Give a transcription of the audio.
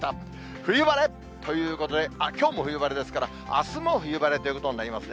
冬晴れということで、きょうも冬晴れですから、あすも冬晴れということになりますね。